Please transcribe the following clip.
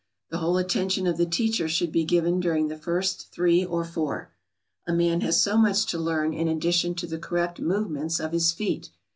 The whole attention of the teacher should be given during the first three or four. A man has so much to learn in addition to the correct movements of his feet.